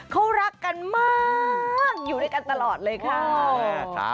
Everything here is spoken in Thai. เขารักกันมากอยู่ด้วยกันตลอดเลยค่ะ